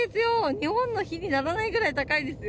日本の比にならないぐらい高いですよ。